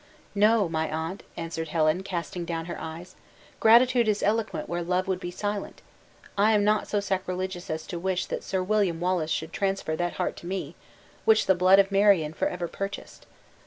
"No, my aunt," answered Helen, casting down her eyes; "gratitude is eloquent where love would be silent. I am not so sacrilegious as to wish that Sir William Wallace should transfer that heart to me, which the blood of Marion forever purchased.